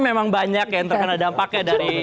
memang banyak yang terkena dampaknya dari